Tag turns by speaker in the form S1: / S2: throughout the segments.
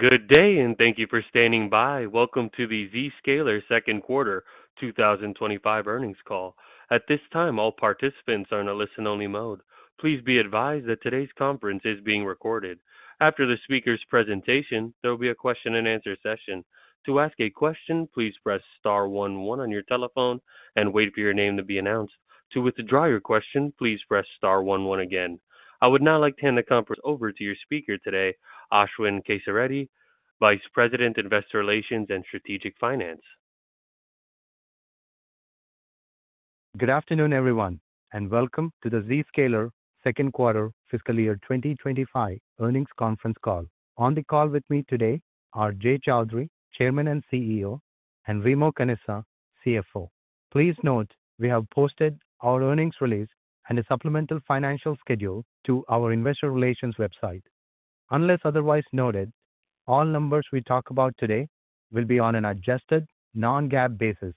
S1: Good day, and thank you for standing by. Welcome to the Zscaler second quarter 2025 earnings call. At this time, all participants are in a listen-only mode. Please be advised that today's conference is being recorded. After the speaker's presentation, there will be a question-and-answer session. To ask a question, please press star one-one on your telephone and wait for your name to be announced. To withdraw your question, please press star one-one again. I would now like to hand the conference over to your speaker today, Ashwin Kesireddy, Vice President, Investor Relations and Strategic Finance.
S2: Good afternoon, everyone, and welcome to the Zscaler second quarter fiscal year 2025 earnings conference call. On the call with me today are Jay Chaudhry, Chairman and CEO, and Remo Canessa, CFO. Please note we have posted our earnings release and a supplemental financial schedule to our Investor Relations website. Unless otherwise noted, all numbers we talk about today will be on an adjusted non-GAAP basis.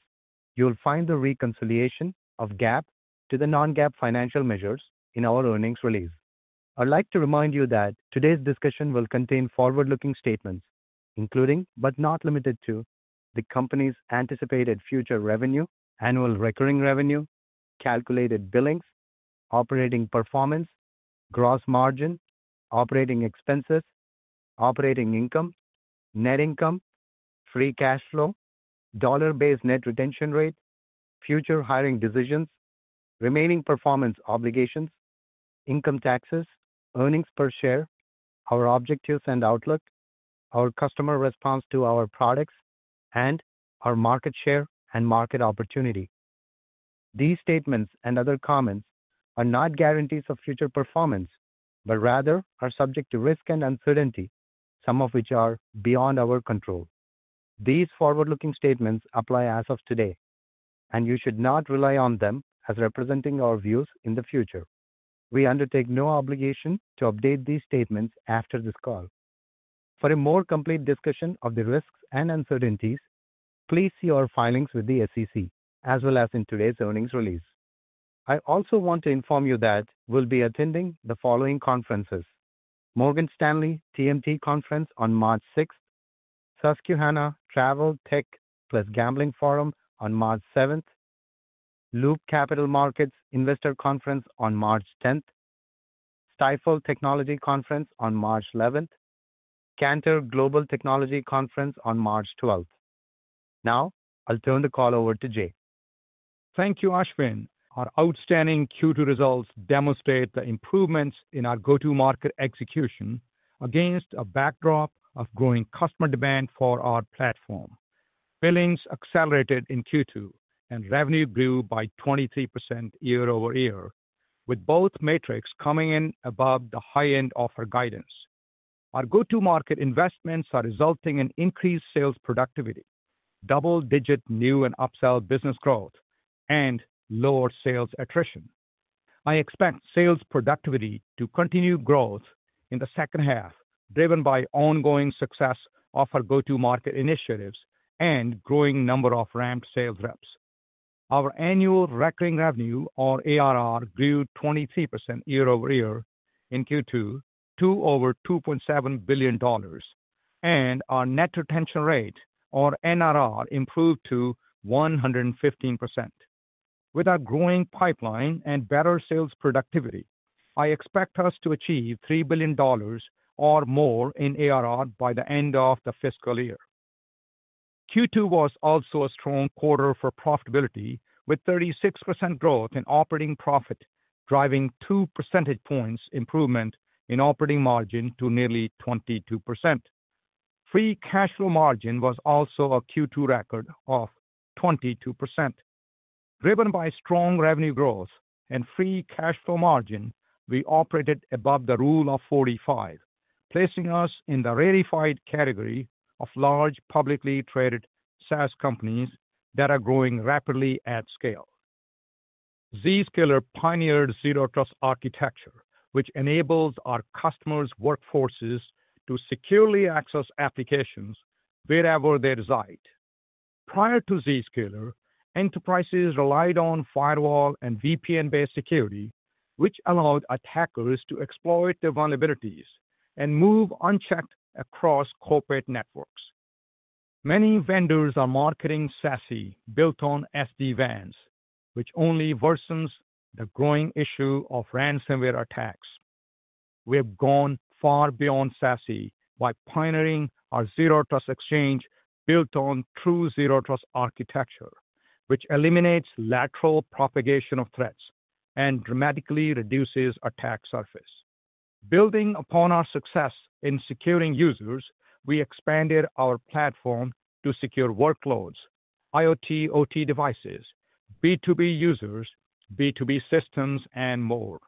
S2: You'll find the reconciliation of GAAP to the non-GAAP financial measures in our earnings release. I'd like to remind you that today's discussion will contain forward-looking statements, including, but not limited to, the company's anticipated future revenue, annual recurring revenue, calculated billings, operating performance, gross margin, operating expenses, operating income, net income, free cash flow, dollar-based net retention rate, future hiring decisions, remaining performance obligations, income taxes, earnings per share, our objectives and outlook, our customer response to our products, and our market share and market opportunity. These statements and other comments are not guarantees of future performance, but rather are subject to risk and uncertainty, some of which are beyond our control. These forward-looking statements apply as of today, and you should not rely on them as representing our views in the future. We undertake no obligation to update these statements after this call. For a more complete discussion of the risks and uncertainties, please see our filings with the SEC, as well as in today's earnings release. I also want to inform you that we'll be attending the following conferences: Morgan Stanley TMT Conference on March 6th, Susquehanna Travel Tech Plus Gambling Forum on March 7th, Loop Capital Markets Investor Conference on March 10th, Stifel Technology Conference on March 11th, and Cantor Global Technology Conference on March 12th. Now, I'll turn the call over to Jay.
S3: Thank you, Ashwin. Our outstanding Q2 results demonstrate the improvements in our go-to-market execution against a backdrop of growing customer demand for our platform. Billings accelerated in Q2, and revenue grew by 23% year over year, with both metrics coming in above the high-end offer guidance. Our go-to-market investments are resulting in increased sales productivity, double-digit new and upsell business growth, and lower sales attrition. I expect sales productivity to continue growth in the second half, driven by ongoing success of our go-to-market initiatives and growing number of ramped sales reps. Our annual recurring revenue, or ARR, grew 23% year over year in Q2 to over $2.7 billion, and our net retention rate, or NRR, improved to 115%. With our growing pipeline and better sales productivity, I expect us to achieve $3 billion or more in ARR by the end of the fiscal year. Q2 was also a strong quarter for profitability, with 36% growth in operating profit, driving 2 percentage points improvement in operating margin to nearly 22%. Free cash flow margin was also a Q2 record of 22%. Driven by strong revenue growth and free cash flow margin, we operated above the Rule of 45, placing us in the rarefied category of large publicly traded SaaS companies that are growing rapidly at scale. Zscaler pioneered Zero Trust Architecture, which enables our customers' workforces to securely access applications wherever they reside. Prior to Zscaler, enterprises relied on firewall and VPN-based security, which allowed attackers to exploit their vulnerabilities and move unchecked across corporate networks. Many vendors are marketing SASE built on SD-WANs, which only worsens the growing issue of ransomware attacks. We have gone far beyond SASE by pioneering our Zero Trust Exchange built on true Zero Trust Architecture, which eliminates lateral propagation of threats and dramatically reduces attack surface. Building upon our success in securing users, we expanded our platform to secure workloads, IoT/OT devices, B2B users, B2B systems, and more.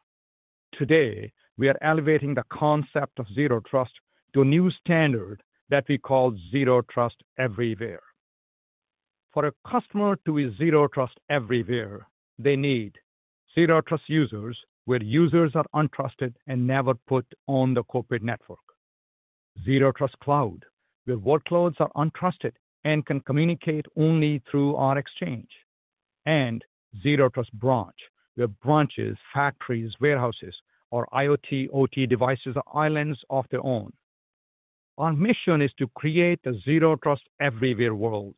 S3: Today, we are elevating the concept of Zero Trust to a new standard that we call Zero Trust Everywhere. For a customer to be Zero Trust Everywhere, they need Zero Trust Users where users are untrusted and never put on the corporate network, Zero Trust Cloud where workloads are untrusted and can communicate only through our Exchange, and Zero Trust Branch where branches, factories, warehouses, or IoT/OT devices are islands of their own. Our mission is to create a Zero Trust Everywhere world.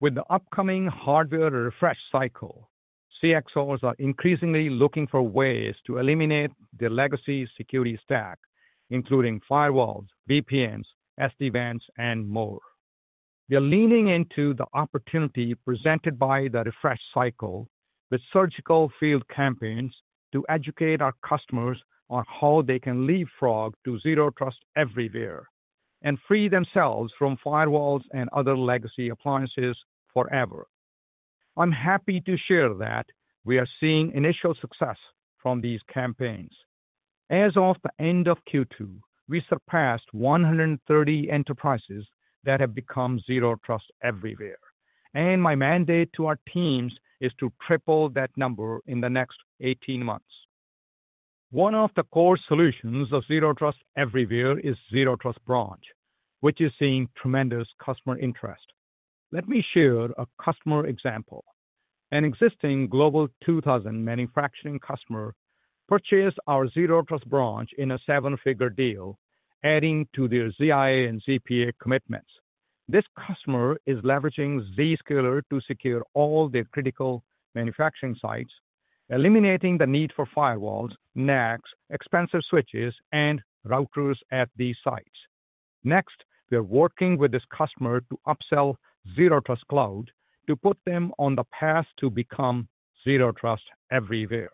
S3: With the upcoming hardware refresh cycle, CXOs are increasingly looking for ways to eliminate the legacy security stack, including firewalls, VPNs, SD-WANs, and more. We are leaning into the opportunity presented by the refresh cycle with surgical field campaigns to educate our customers on how they can leapfrog to Zero Trust Everywhere and free themselves from firewalls and other legacy appliances forever. I'm happy to share that we are seeing initial success from these campaigns. As of the end of Q2, we surpassed 130 enterprises that have become Zero Trust Everywhere, and my mandate to our teams is to triple that number in the next 18 months. One of the core solutions of Zero Trust Everywhere is Zero Trust Branch, which is seeing tremendous customer interest. Let me share a customer example. An existing Global 2000 manufacturing customer purchased our Zero Trust Branch in a seven-figure deal, adding to their ZIA and ZPA commitments. This customer is leveraging Zscaler to secure all their critical manufacturing sites, eliminating the need for firewalls, NACs, expensive switches, and routers at these sites. Next, we are working with this customer to upsell Zero Trust Cloud to put them on the path to become Zero Trust Everywhere.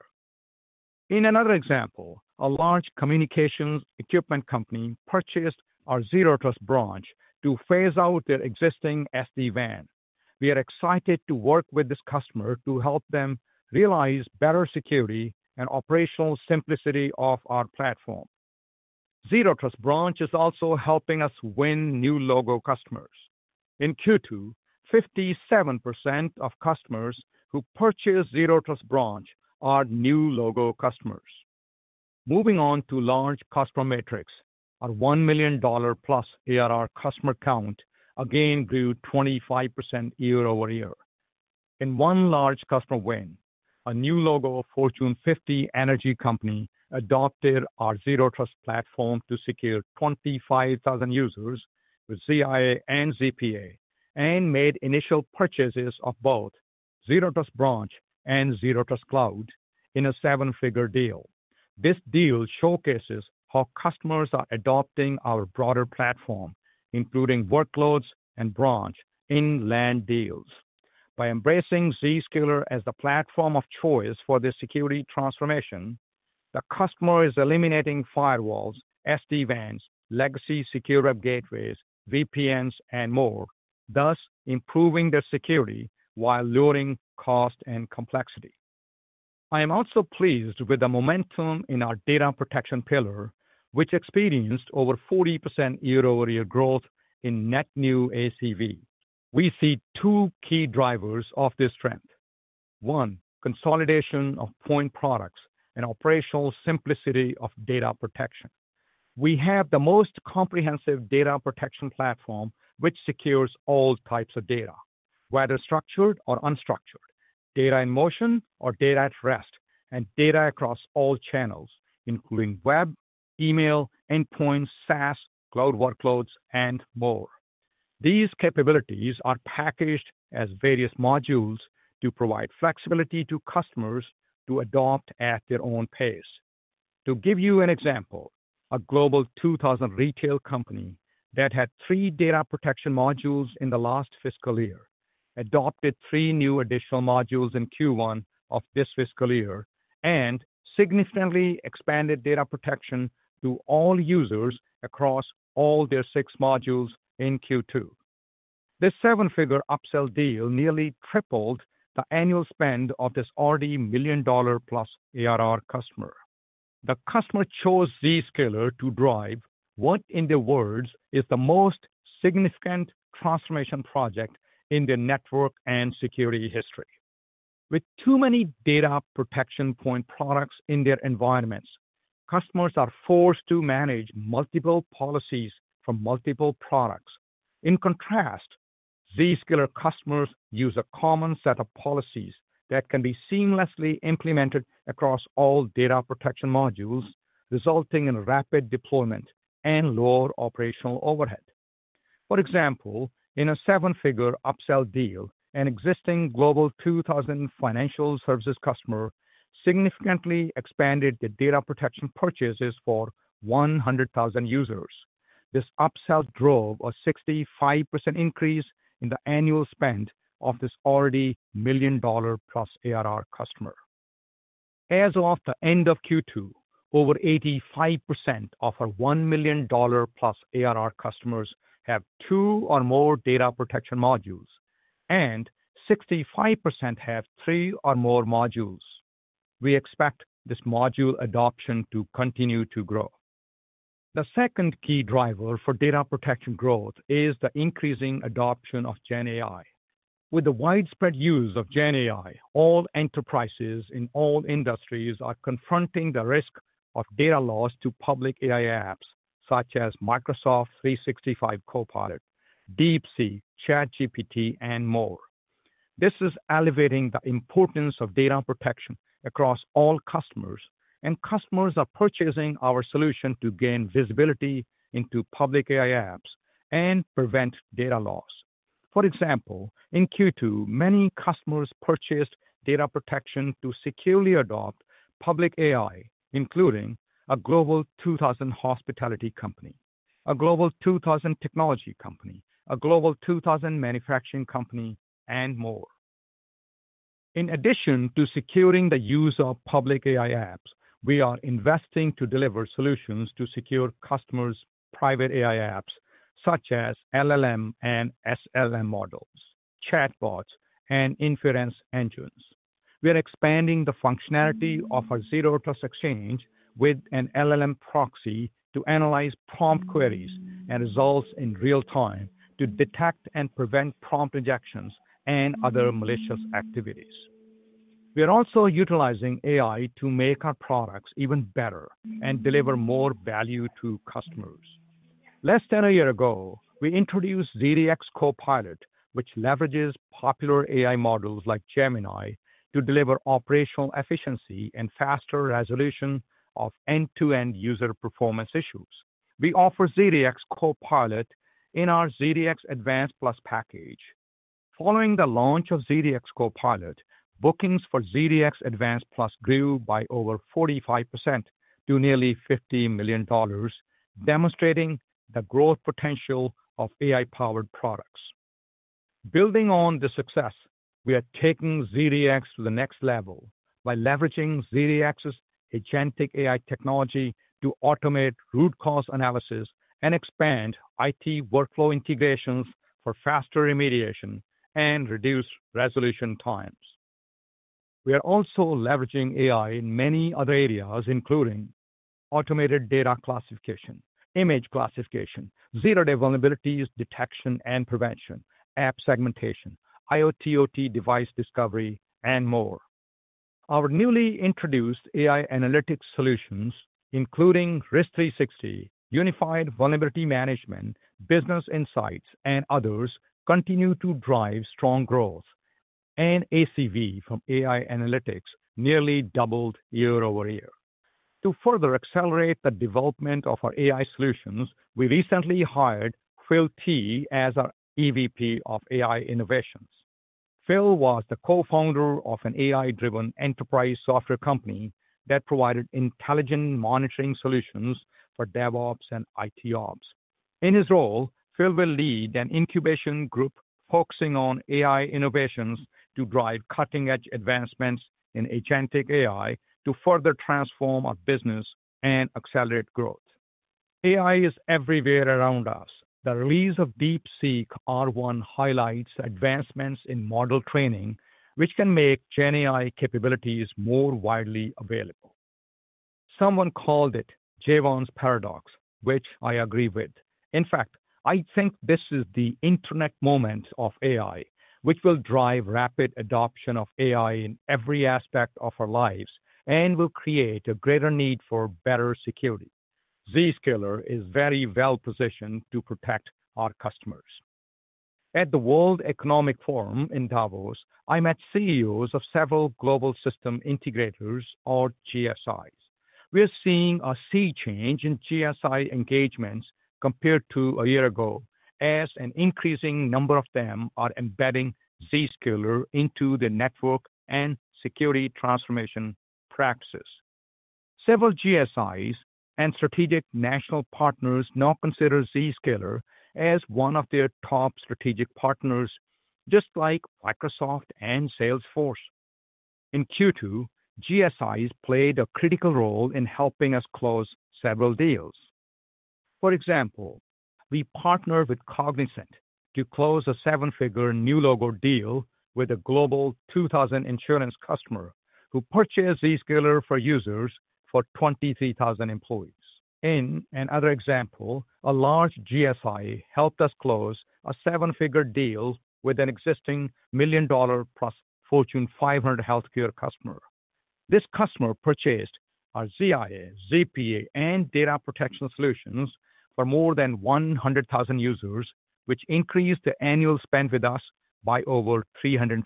S3: In another example, a large communications equipment company purchased our Zero Trust Branch to phase out their existing SD-WAN. We are excited to work with this customer to help them realize better security and operational simplicity of our platform. Zero Trust Branch is also helping us win new logo customers. In Q2, 57% of customers who purchase Zero Trust Branch are new logo customers. Moving on to large customer metrics, our $1 million plus ARR customer count again grew 25% year over year. In one large customer win, a new logo Fortune 50 energy company adopted our Zero Trust platform to secure 25,000 users with ZIA and ZPA and made initial purchases of both Zero Trust Branch and Zero Trust Cloud in a seven-figure deal. This deal showcases how customers are adopting our broader platform, including workloads and branch in land deals. By embracing Zscaler as the platform of choice for the security transformation, the customer is eliminating firewalls, SD-WANs, legacy secure web gateways, VPNs, and more, thus improving their security while lowering cost and complexity. I am also pleased with the momentum in our data protection pillar, which experienced over 40% year-over-year growth in net new ACV. We see two key drivers of this trend: one, consolidation of point products and operational simplicity of data protection. We have the most comprehensive data protection platform, which secures all types of data, whether structured or unstructured, data in motion or data at rest, and data across all channels, including web, email, endpoints, SaaS, cloud workloads, and more. These capabilities are packaged as various modules to provide flexibility to customers to adopt at their own pace. To give you an example, a Global 2000 retail company that had three data protection modules in the last fiscal year, adopted three new additional modules in Q1 of this fiscal year, and significantly expanded data protection to all users across all their six modules in Q2. This seven-figure upsell deal nearly tripled the annual spend of this already million-plus ARR customer. The customer chose Zscaler to drive what, in their words, is the most significant transformation project in their network and security history. With too many data protection point products in their environments, customers are forced to manage multiple policies from multiple products. In contrast, Zscaler customers use a common set of policies that can be seamlessly implemented across all data protection modules, resulting in rapid deployment and lower operational overhead. For example, in a seven-figure upsell deal, an existing Global 2000 financial services customer significantly expanded the data protection purchases for 100,000 users. This upsell drove a 65% increase in the annual spend of this already million-plus ARR customer. As of the end of Q2, over 85% of our $1 million plus ARR customers have two or more data protection modules, and 65% have three or more modules. We expect this module adoption to continue to grow. The second key driver for data protection growth is the increasing adoption of GenAI. With the widespread use of GenAI, all enterprises in all industries are confronting the risk of data loss to public AI apps such as Microsoft 365 Copilot, DeepSeek, ChatGPT, and more. This is elevating the importance of data protection across all customers, and customers are purchasing our solution to gain visibility into public AI apps and prevent data loss. For example, in Q2, many customers purchased data protection to securely adopt public AI, including a Global 2000 hospitality company, a Global 2000 technology company, a Global 2000 manufacturing company, and more. In addition to securing the use of public AI apps, we are investing to deliver solutions to secure customers' private AI apps, such as LLM and SLM models, chatbots, and inference engines. We are expanding the functionality of our Zero Trust Exchange with an LLM proxy to analyze prompt queries and results in real time to detect and prevent prompt injections and other malicious activities. We are also utilizing AI to make our products even better and deliver more value to customers. Less than a year ago, we introduced ZDX Copilot, which leverages popular AI models like Gemini to deliver operational efficiency and faster resolution of end-to-end user performance issues. We offer ZDX Copilot in our ZDX Advanced Plus package. Following the launch of ZDX Copilot, bookings for ZDX Advanced Plus grew by over 45% to nearly $50 million, demonstrating the growth potential of AI-powered products. Building on the success, we are taking ZDX to the next level by leveraging ZDX's agentic AI technology to automate root cause analysis and expand IT workflow integrations for faster remediation and reduced resolution times. We are also leveraging AI in many other areas, including automated data classification, image classification, zero-day vulnerabilities detection and prevention, app segmentation, IoT/OT device discovery, and more. Our newly introduced AI analytics solutions, including Risk360, Unified Vulnerability Management, Business Insights, and others, continue to drive strong growth, and ACV from AI analytics nearly doubled year over year. To further accelerate the development of our AI solutions, we recently hired Phil Tee as our EVP of AI Innovations. Phil was the co-founder of an AI-driven enterprise software company that provided intelligent monitoring solutions for DevOps and IT Ops. In his role, Phil will lead an incubation group focusing on AI innovations to drive cutting-edge advancements in agentic AI to further transform our business and accelerate growth. AI is everywhere around us. The release of DeepSeek R1 highlights advancements in model training, which can make GenAI capabilities more widely available. Someone called it Jevons paradox, which I agree with. In fact, I think this is the internet moment of AI, which will drive rapid adoption of AI in every aspect of our lives and will create a greater need for better security. Zscaler is very well positioned to protect our customers. At the World Economic Forum in Davos, I met CEOs of several global system integrators, or GSIs. We are seeing a sea change in GSI engagements compared to a year ago, as an increasing number of them are embedding Zscaler into their network and security transformation practices. Several GSIs and strategic national partners now consider Zscaler as one of their top strategic partners, just like Microsoft and Salesforce. In Q2, GSIs played a critical role in helping us close several deals. For example, we partnered with Cognizant to close a seven-figure new logo deal with a Global 2000 insurance customer who purchased Zscaler for Users for 23,000 employees. In another example, a large GSI helped us close a seven-figure deal with an existing million-plus Fortune 500 healthcare customer. This customer purchased our ZIA, ZPA, and data protection solutions for more than 100,000 users, which increased the annual spend with us by over 350%.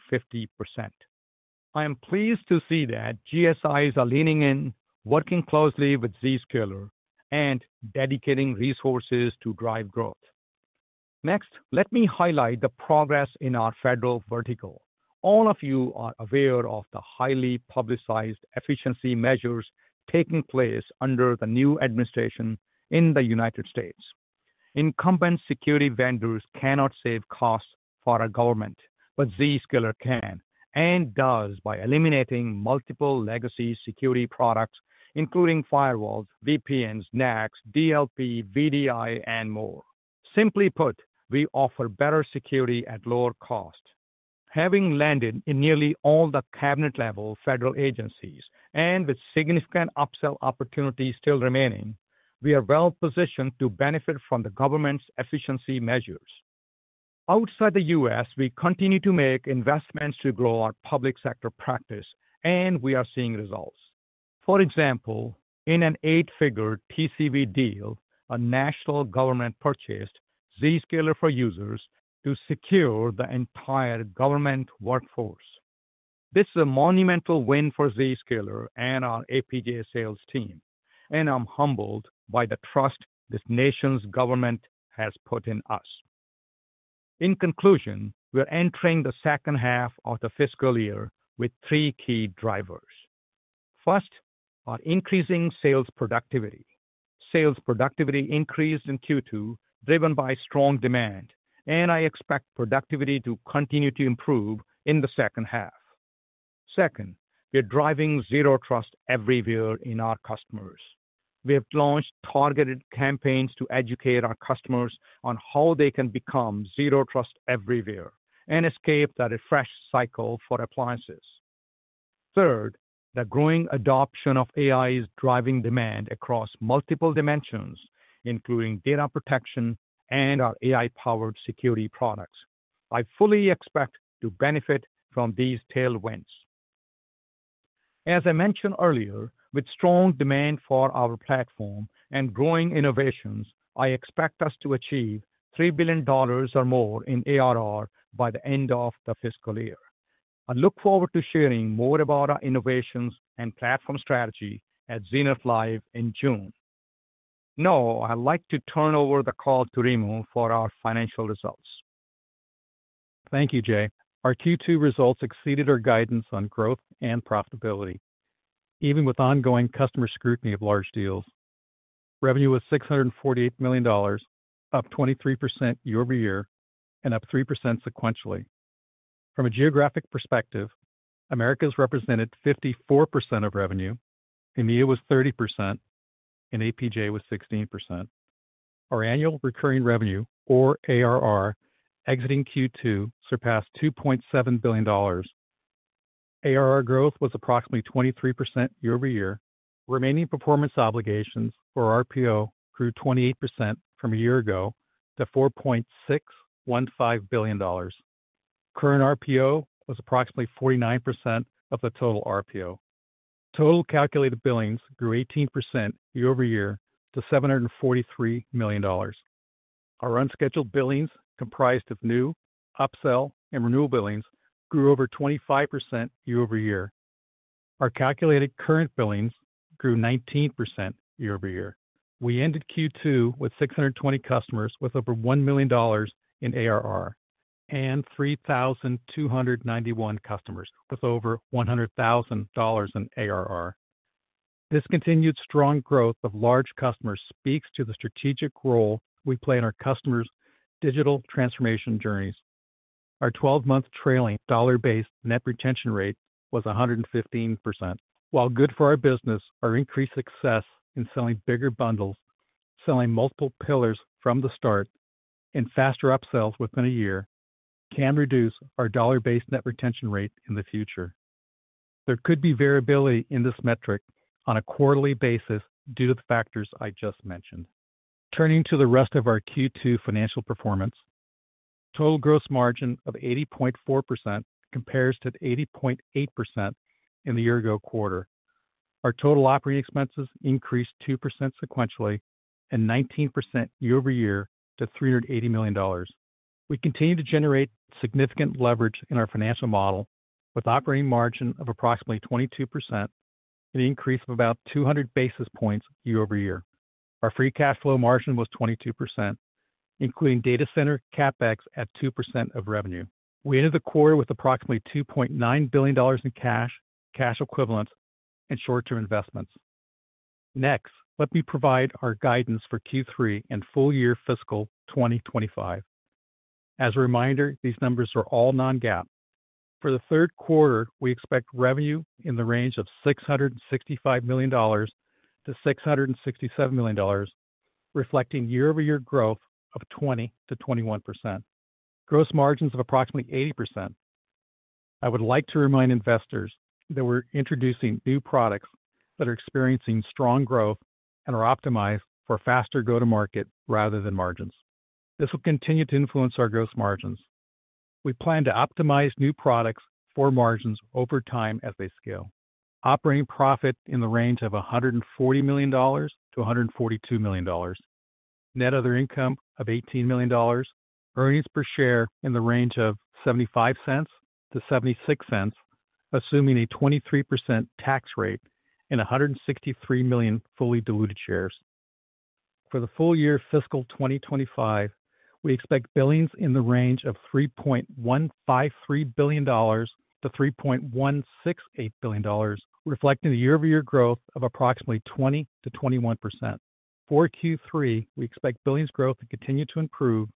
S3: I am pleased to see that GSIs are leaning in, working closely with Zscaler, and dedicating resources to drive growth. Next, let me highlight the progress in our federal vertical. All of you are aware of the highly publicized efficiency measures taking place under the new administration in the United States. Incumbent security vendors cannot save costs for our government, but Zscaler can and does by eliminating multiple legacy security products, including firewalls, VPNs, NACs, DLP, VDI, and more. Simply put, we offer better security at lower cost. Having landed in nearly all the cabinet-level federal agencies and with significant upsell opportunities still remaining, we are well positioned to benefit from the government's efficiency measures. Outside the U.S., we continue to make investments to grow our public sector practice, and we are seeing results. For example, in an eight-figure TCV deal, a national government purchased Zscaler for Users to secure the entire government workforce. This is a monumental win for Zscaler and our APJ sales team, and I'm humbled by the trust this nation's government has put in us. In conclusion, we are entering the second half of the fiscal year with three key drivers. First, our increasing sales productivity. Sales productivity increased in Q2, driven by strong demand, and I expect productivity to continue to improve in the second half. Second, we are driving Zero Trust Everywhere in our customers. We have launched targeted campaigns to educate our customers on how they can become Zero Trust Everywhere and escape the refresh cycle for appliances. Third, the growing adoption of AI is driving demand across multiple dimensions, including data protection and our AI-powered security products. I fully expect to benefit from these tailwinds. As I mentioned earlier, with strong demand for our platform and growing innovations, I expect us to achieve $3 billion or more in ARR by the end of the fiscal year. I look forward to sharing more about our innovations and platform strategy at Zenith Live in June. Now, I'd like to turn over the call to Remo for our financial results.
S4: Thank you, Jay. Our Q2 results exceeded our guidance on growth and profitability, even with ongoing customer scrutiny of large deals. Revenue was $648 million, up 23% year-over-year and up 3% sequentially. From a geographic perspective, Americas represented 54% of revenue, EMEA was 30%, and APJ was 16%. Our annual recurring revenue, or ARR, exiting Q2 surpassed $2.7 billion. ARR growth was approximately 23% year-over-year. Remaining performance obligations, or RPO, grew 28% from a year ago to $4.615 billion. Current RPO was approximately 49% of the total RPO. Total calculated billings grew 18% year-over-year to $743 million. Our unbilled billings, comprised of new, upsell, and renewal billings, grew over 25% year-over-year. Our calculated current billings grew 19% year-over-year. We ended Q2 with 620 customers with over $1 million in ARR and 3,291 customers with over $100,000 in ARR. This continued strong growth of large customers speaks to the strategic role we play in our customers' digital transformation journeys. Our 12-month trailing dollar-based net retention rate was 115%. While good for our business, our increased success in selling bigger bundles, selling multiple pillars from the start, and faster upsells within a year can reduce our dollar-based net retention rate in the future. There could be variability in this metric on a quarterly basis due to the factors I just mentioned. Turning to the rest of our Q2 financial performance, total gross margin of 80.4% compares to 80.8% in the year-ago quarter. Our total operating expenses increased 2% sequentially and 19% year-over-year to $380 million. We continue to generate significant leverage in our financial model with operating margin of approximately 22% and an increase of about 200 basis points year-over-year. Our free cash flow margin was 22%, including data center CapEx at 2% of revenue. We ended the quarter with approximately $2.9 billion in cash, cash equivalents, and short-term investments. Next, let me provide our guidance for Q3 and full year fiscal 2025. As a reminder, these numbers are all non-GAAP. For the third quarter, we expect revenue in the range of $665 to $667 million, reflecting year-over-year growth of 20% to 21%. Gross margins of approximately 80%. I would like to remind investors that we're introducing new products that are experiencing strong growth and are optimized for faster go-to-market rather than margins. This will continue to influence our gross margins. We plan to optimize new products for margins over time as they scale. Operating profit in the range of $140 to $142 million. Net other income of $18 million. Earnings per share in the range of $0.75 to $0.76, assuming a 23% tax rate and 163 million fully diluted shares. For the full year fiscal 2025, we expect billings in the range of $3.153 to $3.168 billion, reflecting the year-over-year growth of approximately 20% to 21%. For Q3, we expect billings growth to continue to improve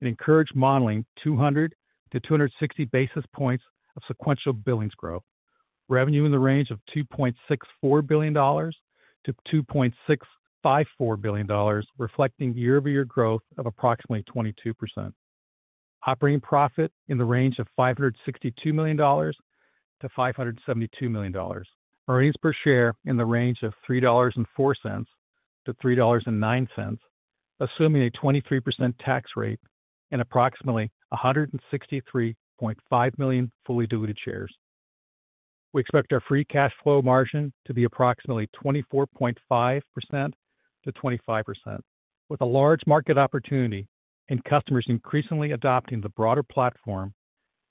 S4: and encourage modeling 200 to 260 basis points of sequential billings growth. Revenue in the range of $2.64 to $2.654 billion, reflecting year-over-year growth of approximately 22%. Operating profit in the range of $562 to $572 million. Earnings per share in the range of $3.04 to $3.09, assuming a 23% tax rate and approximately 163.5 million fully diluted shares. We expect our free cash flow margin to be approximately 24.5% to 25%. With a large market opportunity and customers increasingly adopting the broader platform,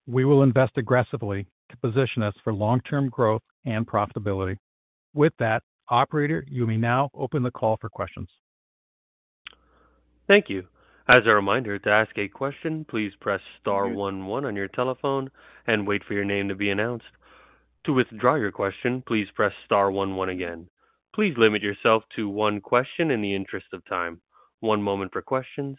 S4: we will invest aggressively to position us for long-term growth and profitability. With that, Operator, you may now open the call for questions.
S1: Thank you. As a reminder, to ask a question, please press star 11 on your telephone and wait for your name to be announced. To withdraw your question, please press star 11 again. Please limit yourself to one question in the interest of time. One moment for questions.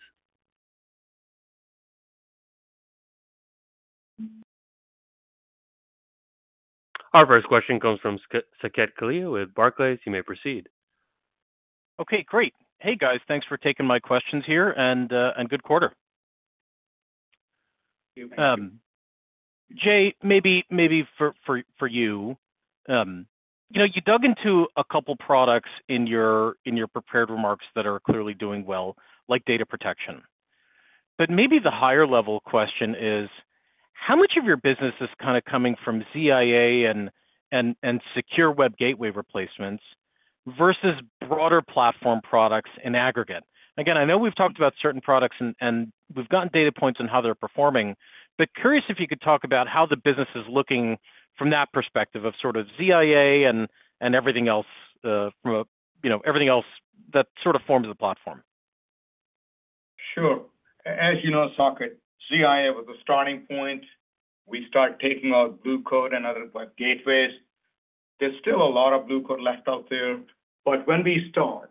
S1: Our first question comes from Saket Kalia with Barclays. You may proceed.
S5: Okay, great. Hey, guys. Thanks for taking my questions here and good quarter. Jay, maybe for you, you dug into a couple of products in your prepared remarks that are clearly doing well, like data protection. But maybe the higher-level question is, how much of your business is kind of coming from ZIA and Secure Web Gateway replacements versus broader platform products in aggregate? Again, I know we've talked about certain products and we've gotten data points on how they're performing, but curious if you could talk about how the business is looking from that perspective of sort of ZIA and everything else that sort of forms the platform.
S3: Sure. As you know, Zscaler, ZIA was the starting point. We started taking out Blue Coat and other web gateways. There's still a lot of Blue Coat left out there, but when we start,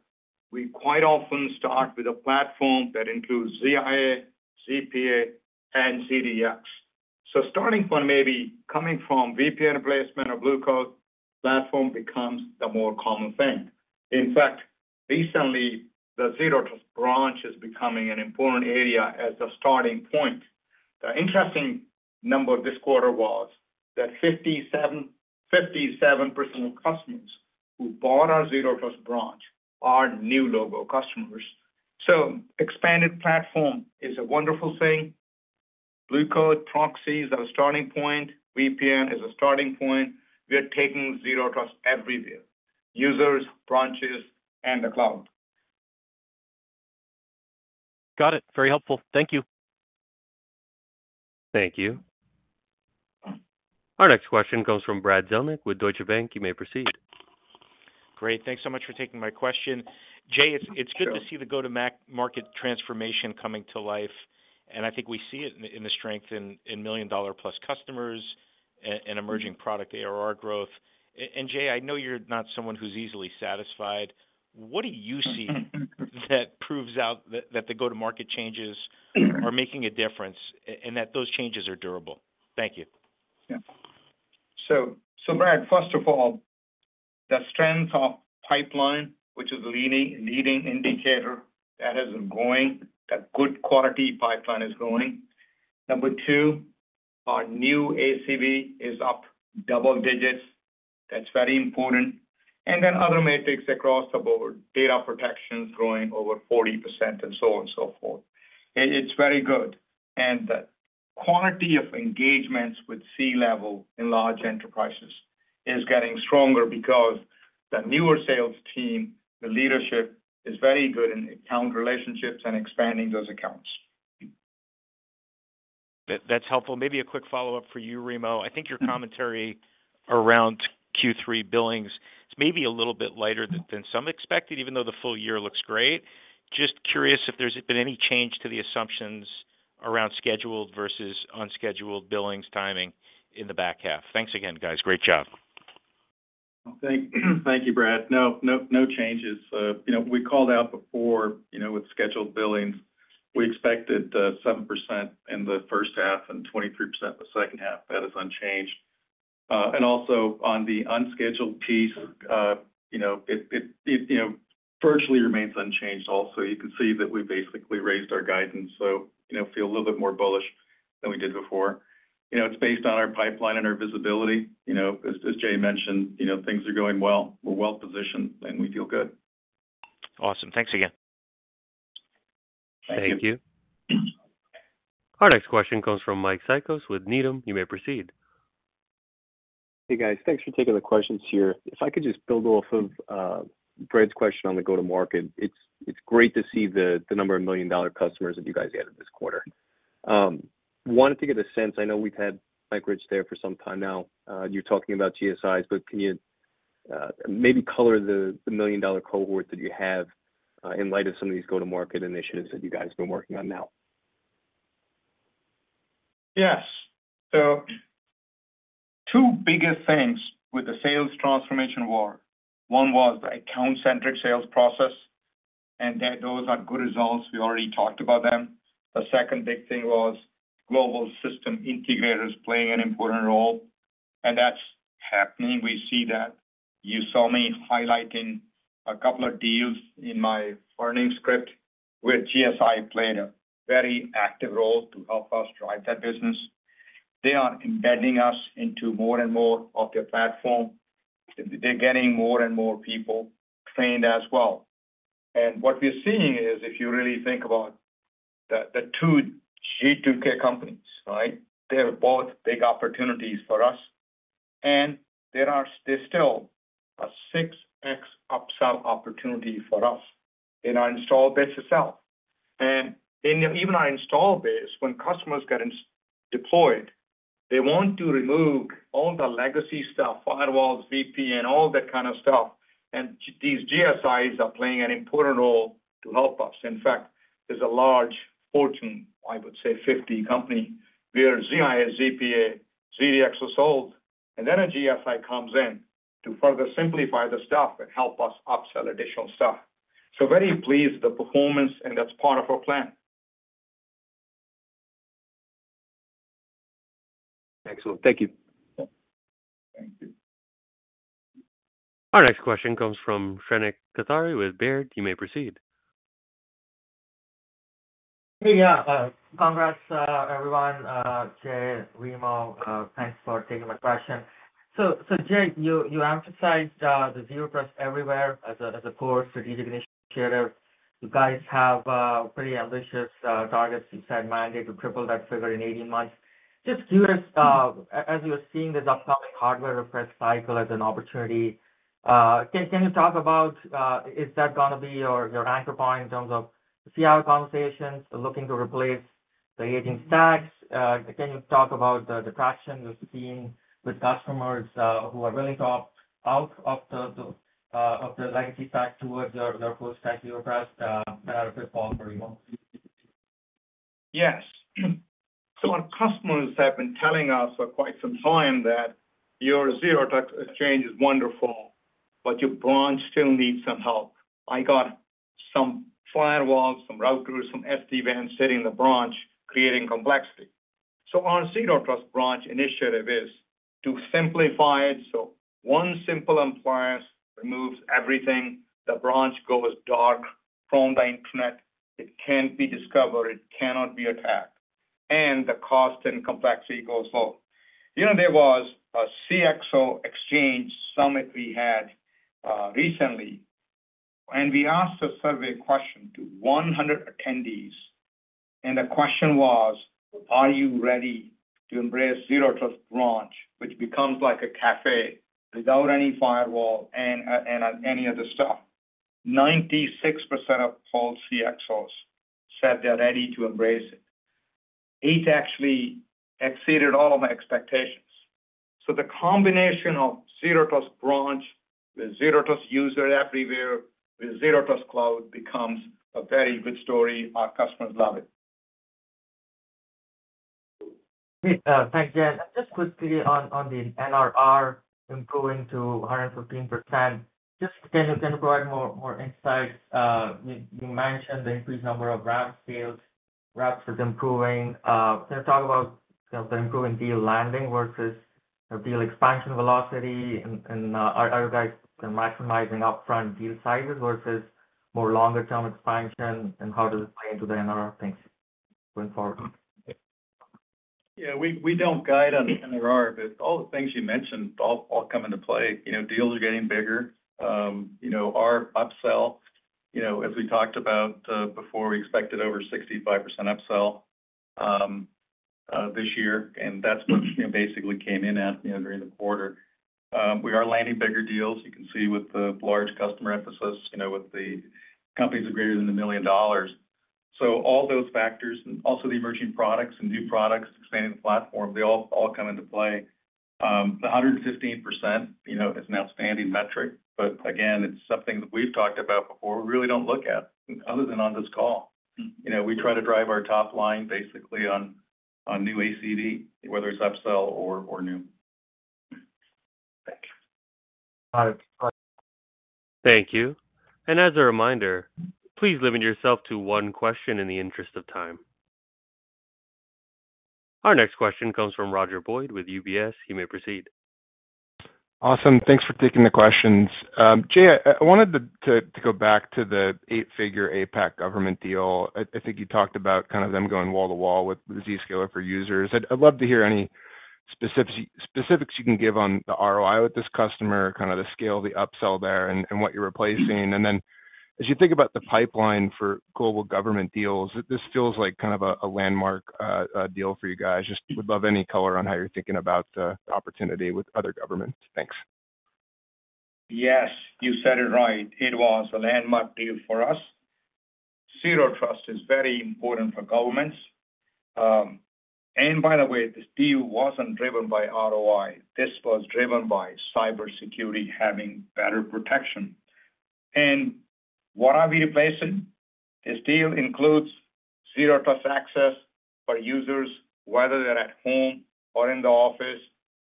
S3: we quite often start with a platform that includes ZIA, ZPA, and ZDX. So starting from maybe coming from VPN replacement or Blue Coat, platform becomes the more common thing. In fact, recently, the Zero Trust Branch is becoming an important area as a starting point. The interesting number this quarter was that 57% of customers who bought our Zero Trust Branch are new logo customers. So expanded platform is a wonderful thing. Blue Coat, proxies are a starting point. VPN is a starting point. We are taking Zero Trust Everywhere: users, branches, and the cloud.
S5: Got it. Very helpful. Thank you.
S1: Thank you. Our next question comes from Brad Zelnick with Deutsche Bank. You may proceed.
S6: Great. Thanks so much for taking my question. Jay, it's good to see the go-to-market transformation coming to life. And I think we see it in the strength in million-plus customers and emerging product ARR growth. And Jay, I know you're not someone who's easily satisfied. What do you see that proves out that the go-to-market changes are making a difference and that those changes are durable? Thank you.
S3: So Brad, first of all, the strength of pipeline, which is a leading indicator that is going, that good quality pipeline is going. Number two, our new ACV is up double digits. That's very important. And then other metrics across the board, data protection is growing over 40% and so on and so forth. It's very good. And the quality of engagements with C-level in large enterprises is getting stronger because the newer sales team, the leadership is very good in account relationships and expanding those accounts.
S6: That's helpful. Maybe a quick follow-up for you, Remo. I think your commentary around Q3 billings is maybe a little bit lighter than some expected, even though the full year looks great. Just curious if there's been any change to the assumptions around scheduled versus unscheduled billings timing in the back half? Thanks again, guys. Great job.
S4: Thank you, Brad. No changes. We called out before with scheduled billings. We expected 7% in the first half and 23% in the second half. That is unchanged. And also on the unscheduled piece, it virtually remains unchanged also. You can see that we basically raised our guidance, so feel a little bit more bullish than we did before. It's based on our pipeline and our visibility. As Jay mentioned, things are going well. We're well-positioned and we feel good.
S6: Awesome. Thanks again.
S1: Thank you. Our next question comes from Mike Cikos with Needham. You may proceed.
S7: Hey, guys. Thanks for taking the questions here. If I could just build off of Brad's question on the go-to-market, it's great to see the number of million-dollar customers that you guys added this quarter. I wanted to get a sense. I know we've had Mike Rich there for some time now. You're talking about GSIs, but can you maybe color the million-dollar cohort that you have in light of some of these go-to-market initiatives that you guys have been working on now?
S3: Yes. So two biggest things with the sales transformation effort. One was the account-centric sales process, and those are good results. We already talked about them. The second big thing was global system integrators playing an important role. And that's happening. We see that. You saw me highlighting a couple of deals in my earnings script where GSI played a very active role to help us drive that business. They are embedding us into more and more of their platform. They're getting more and more people trained as well. And what we're seeing is, if you really think about the two G2K companies, right, they're both big opportunities for us. And there's still a 6X upsell opportunity for us in our installed base itself. And even our installed base, when customers get deployed, they want to remove all the legacy stuff, firewalls, VPN, all that kind of stuff. And these GSIs are playing an important role to help us. In fact, there's a large Fortune 50 company, I would say, where ZIA, ZPA, ZDX are sold. And then a GSI comes in to further simplify the stuff and help us upsell additional stuff. So very pleased with the performance, and that's part of our plan.
S7: Excellent. Thank you.
S1: Thank you. Our next question comes from Shrenik Kothari with Baird. You may proceed.
S8: Hey, yeah. Congrats, everyone. Jay, Remo, thanks for taking my question. So Jay, you emphasized the Zero Trust Everywhere as a core strategic initiative. You guys have pretty ambitious targets. You said mandate to triple that figure in 18 months. Just curious, as you're seeing this upcoming hardware refresh cycle as an opportunity, can you talk about, is that going to be your anchor point in terms of CIO conversations looking to replace the aging stacks? Can you talk about the traction you've seen with customers who are willing to opt out of the legacy stack towards their full-stack Zero Trust? And I'd appreciate color for you.
S3: Yes, so our customers have been telling us for quite some time that our Zero Trust Exchange is wonderful, but our branch still needs some help. I got some firewalls, some routers, some SD-WANs sitting in the branch creating complexity. Our Zero Trust Branch initiative is to simplify it. One simple appliance removes everything. The branch goes dark from the internet. It can't be discovered. It cannot be attacked. The cost and complexity goes low. There was a CXO Exchange summit we had recently, and we asked a survey question to 100 attendees. The question was, "Are you ready to embrace Zero Trust Branch, which becomes like a café without any firewall and any other stuff?" 96% of all CXOs said they're ready to embrace it. It actually exceeded all of my expectations. The combination of Zero Trust Branch with Zero Trust Users everywhere with Zero Trust Cloud becomes a very good story. Our customers love it.
S8: Thanks, Jay. Just quickly on the NRR improving to 115%. Just, can you provide more insights? You mentioned the increased number of RPO scales. RPO scales improving. Can you talk about the improving deal landing versus deal expansion velocity? And are you guys maximizing upfront deal sizes versus more longer-term expansion? And how does it play into the NRR things going forward?
S4: Yeah, we don't guide on the NRR, but all the things you mentioned all come into play. Deals are getting bigger. Our upsell, as we talked about before, we expected over 65% upsell this year. And that's what basically came in during the quarter. We are landing bigger deals. You can see with the large customer emphasis, with the companies that are greater than a million dollars. So all those factors and also the emerging products and new products, expanding the platform, they all come into play. The 115% is an outstanding metric. But again, it's something that we've talked about before. We really don't look at it other than on this call. We try to drive our top line basically on new ACV, whether it's upsell or new.
S8: Thank you. Got it.
S1: Thank you. And as a reminder, please limit yourself to one question in the interest of time. Our next question comes from Roger Boyd with UBS. You may proceed.
S9: Awesome. Thanks for taking the questions. Jay, I wanted to go back to the eight-figure APJ government deal. I think you talked about kind of them going wall to wall with the Zscaler for Users. I'd love to hear any specifics you can give on the ROI with this customer, kind of the scale, the upsell there, and what you're replacing. And then as you think about the pipeline for global government deals, this feels like kind of a landmark deal for you guys. Just would love any color on how you're thinking about the opportunity with other governments. Thanks.
S3: Yes, you said it right. It was a landmark deal for us. Zero Trust is very important for governments. And by the way, this deal wasn't driven by ROI. This was driven by cybersecurity having better protection. And what are we replacing? This deal includes Zero Trust access for users, whether they're at home or in the office,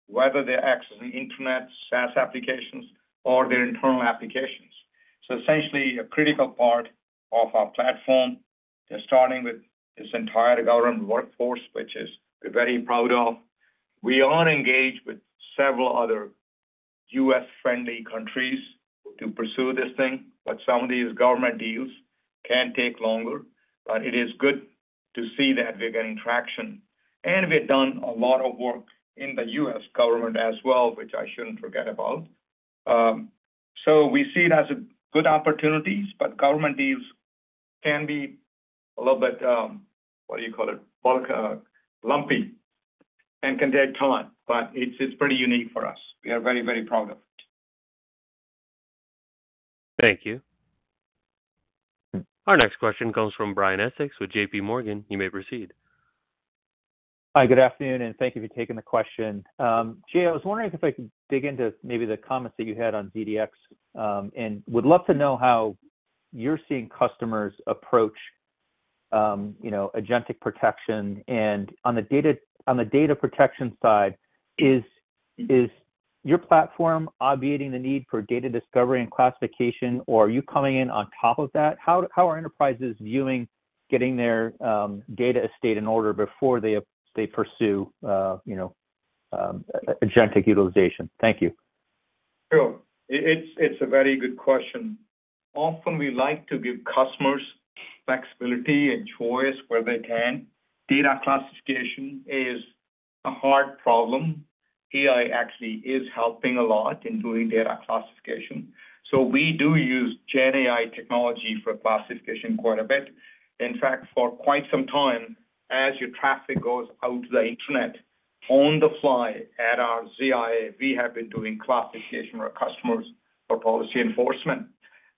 S3: whether they're accessing internet, SaaS applications, or their internal applications. So essentially, a critical part of our platform. They're starting with this entire government workforce, which we're very proud of. We are engaged with several other U.S.-friendly countries to pursue this thing. But some of these government deals can take longer. But it is good to see that we're getting traction. And we've done a lot of work in the U.S. government as well, which I shouldn't forget about. So we see it as good opportunities, but government deals can be a little bit, what do you call it, lumpy and can take time. But it's pretty unique for us. We are very, very proud of it.
S1: Thank you. Our next question comes from Brian Essex with J.P. Morgan. You may proceed.
S10: Hi, good afternoon, and thank you for taking the question. Jay, I was wondering if I could dig into maybe the comments that you had on ZDX and would love to know how you're seeing customers approach agentic protection. And on the data protection side, is your platform obviating the need for data discovery and classification, or are you coming in on top of that? How are enterprises viewing getting their data estate in order before they pursue agentic utilization? Thank you.
S3: Sure. It's a very good question. Often, we like to give customers flexibility and choice where they can. Data classification is a hard problem. AI actually is helping a lot in doing data classification. So we do use GenAI technology for classification quite a bit. In fact, for quite some time, as your traffic goes out to the internet on the fly at our ZIA, we have been doing classification for customers for policy enforcement.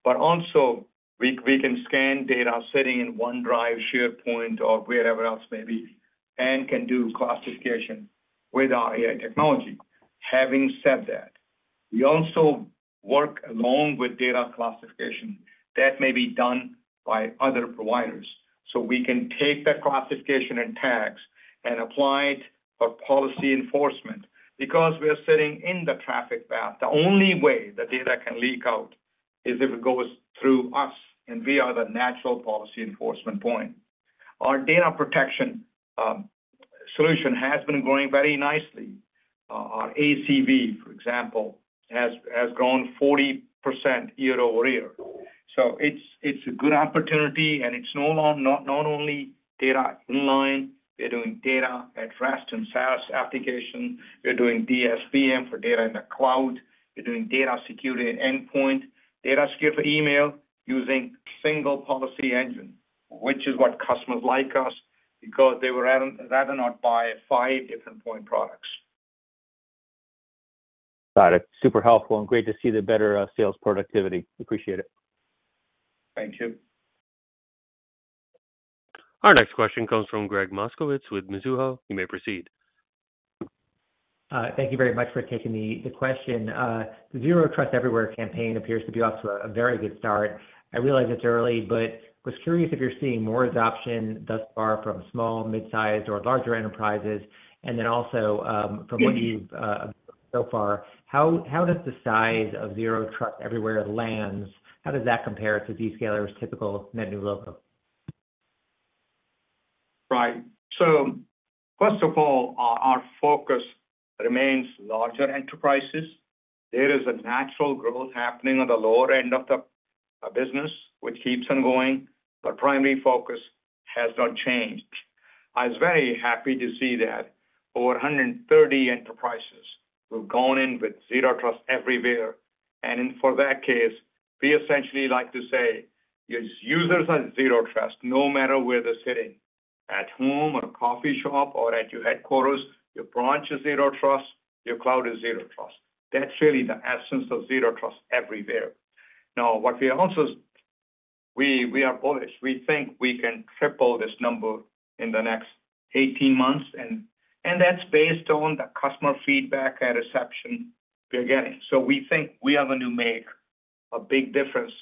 S3: But also, we can scan data sitting in OneDrive, SharePoint, or wherever else may be, and can do classification with our AI technology. Having said that, we also work along with data classification that may be done by other providers. So we can take that classification and tags and apply it for policy enforcement because we're sitting in the traffic path. The only way the data can leak out is if it goes through us, and we are the natural policy enforcement point. Our data protection solution has been growing very nicely. Our ACV, for example, has grown 40% year over year. So it's a good opportunity, and it's no longer not only data inline. We're doing data at rest and SaaS applications. We're doing DSPM for data in the cloud. We're doing data security at endpoint. Data security for email using single policy engine, which is what customers like us because they were rather not buy five different point products.
S10: Got it. Super helpful and great to see the better sales productivity. Appreciate it.
S3: Thank you.
S1: Our next question comes from Gregg Moskowitz with Mizuho. You may proceed.
S11: Thank you very much for taking the question. The Zero Trust Everywhere campaign appears to be off to a very good start. I realize it's early, but was curious if you're seeing more adoption thus far from small, mid-sized, or larger enterprises. And then also from what you've observed so far, how does the size of Zero Trust Everywhere land? How does that compare to Zscaler's typical net new logo?
S3: Right. So first of all, our focus remains larger enterprises. There is a natural growth happening on the lower end of the business, which keeps on going. But primary focus has not changed. I was very happy to see that over 130 enterprises who've gone in with Zero Trust Everywhere. And for that case, we essentially like to say your users are Zero Trust no matter where they're sitting, at home or coffee shop or at your headquarters. Your branch is Zero Trust. Your cloud is Zero Trust. That's really the essence of Zero Trust everywhere. Now, what we also are bullish. We think we can triple this number in the next 18 months. And that's based on the customer feedback and reception we're getting. So we think we are going to make a big difference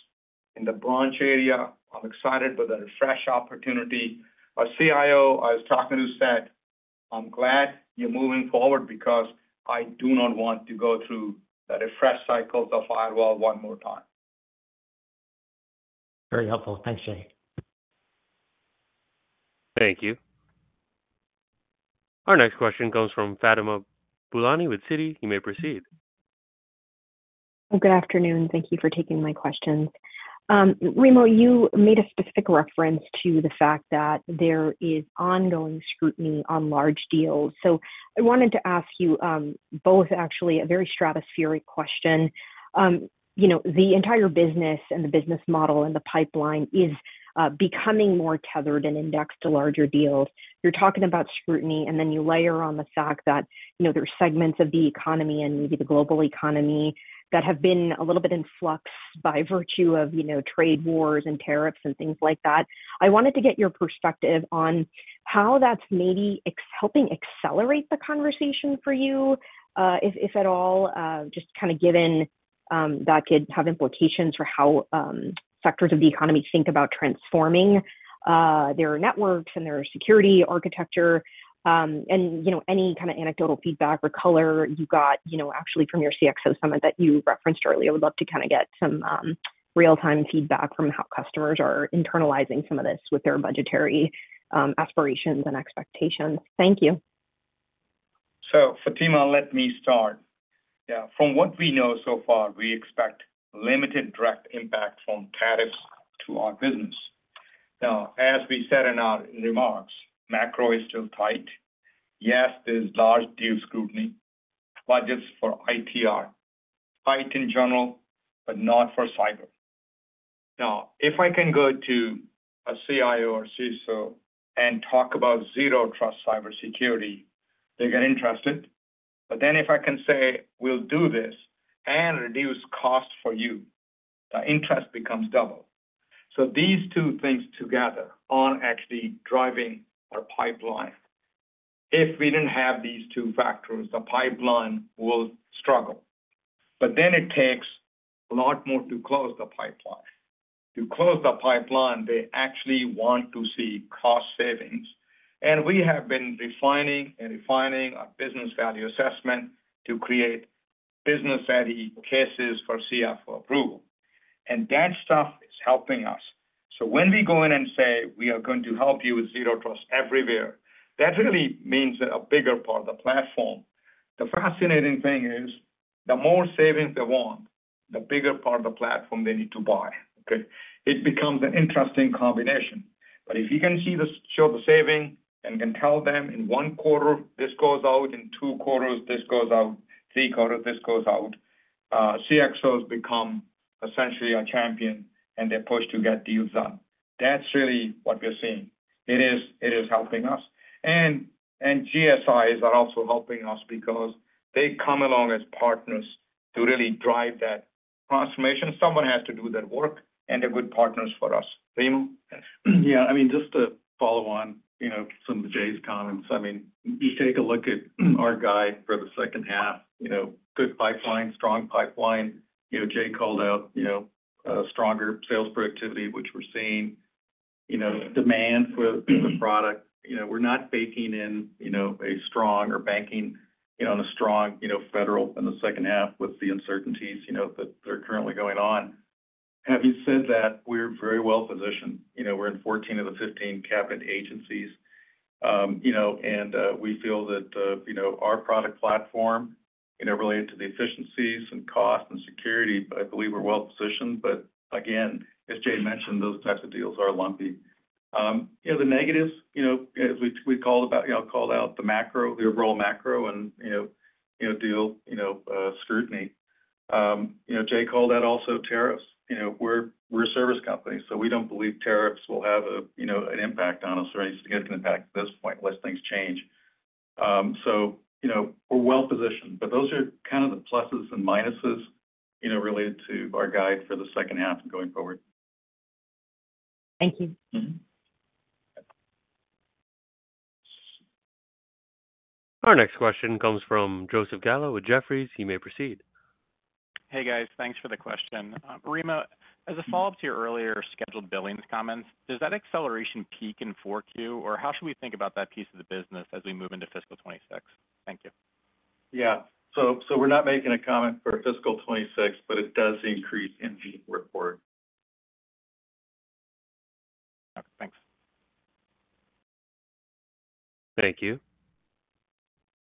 S3: in the branch area. I'm excited with the refresh opportunity. Our CIO, I was talking to, said, "I'm glad you're moving forward because I do not want to go through the refresh cycles of firewall one more time."
S11: Very helpful. Thanks, Jay.
S1: Thank you. Our next question comes from Fatima Boolani with Citi. You may proceed.
S12: Well, good afternoon. Thank you for taking my questions. Remo, you made a specific reference to the fact that there is ongoing scrutiny on large deals. So I wanted to ask you both actually a very stratospheric question. The entire business and the business model and the pipeline is becoming more tethered and indexed to larger deals. You're talking about scrutiny, and then you layer on the fact that there are segments of the economy and maybe the global economy that have been a little bit in flux by virtue of trade wars and tariffs and things like that. I wanted to get your perspective on how that's maybe helping accelerate the conversation for you, if at all, just kind of given that could have implications for how sectors of the economy think about transforming their networks and their security architecture. And any kind of anecdotal feedback or color you got actually from your CXO summit that you referenced earlier, we'd love to kind of get some real-time feedback from how customers are internalizing some of this with their budgetary aspirations and expectations. Thank you.
S3: So Fatima, let me start. Yeah. From what we know so far, we expect limited direct impact from tariffs to our business. Now, as we said in our remarks, macro is still tight. Yes, there's large deal scrutiny, budgets for ITR, tight in general, but not for cyber. Now, if I can go to a CIO or CISO and talk about Zero Trust cybersecurity, they get interested. But then if I can say, "We'll do this and reduce cost for you," the interest becomes double. So these two things together are actually driving our pipeline. If we didn't have these two factors, the pipeline will struggle. Then it takes a lot more to close the pipeline. To close the pipeline, they actually want to see cost savings. We have been refining and refining our business value assessment to create business-ready cases for CFO approval. That stuff is helping us. When we go in and say, "We are going to help you with Zero Trust Everywhere," that really means a bigger part of the platform. The fascinating thing is the more savings they want, the bigger part of the platform they need to buy. Okay? It becomes an interesting combination. If you can show the saving and can tell them in one quarter, this goes out, in two quarters, this goes out, three quarters, this goes out, CXOs become essentially a champion, and they're pushed to get deals done. That's really what we're seeing. It is helping us. GSIs are also helping us because they come along as partners to really drive that transformation. Someone has to do that work, and they're good partners for us. Remo?
S4: Yeah. I mean, just to follow on some of Jay's comments, I mean, you take a look at our guidance for the second half, good pipeline, strong pipeline. Jay called out stronger sales productivity, which we're seeing. Demand for the product. We're not baking in a strong or banking on a strong federal in the second half with the uncertainties that are currently going on. Having said that, we're very well positioned. We're in 14 of the 15 cabinet agencies. We feel that our product platform, related to the efficiencies and cost and security, I believe we're well positioned. But again, as Jay mentioned, those types of deals are lumpy. The negatives, as we called out, the macro, the overall macro, and deal scrutiny. Jay called out tariffs also. We're a service company, so we don't believe tariffs will have an impact on us or any significant impact at this point unless things change. So we're well positioned. But those are kind of the pluses and minuses related to our guide for the second half and going forward.
S12: Thank you.
S1: Our next question comes from Joseph Gallo with Jefferies. You may proceed.
S13: Hey, guys. Thanks for the question. Remo, as a follow-up to your earlier calculated billings comments, does that acceleration peak in Q4, or how should we think about that piece of the business as we move into fiscal 2026? Thank you.
S4: Yeah. So we're not making a comment for fiscal 2026, but it does increase in the back half.
S13: Okay. Thanks.
S1: Thank you.